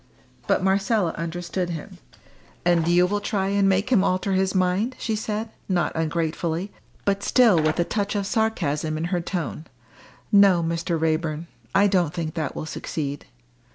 But Marcella understood him. "And you will try and make him alter his mind?" she said, not ungratefully, but still with a touch of sarcasm in her tone. "No, Mr. Raeburn, I don't think that will succeed."